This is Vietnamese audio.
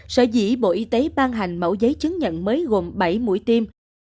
sở dĩ bộ y tế ban hành mẫu giấy chứng nhận mới gồm bảy mũi tiêm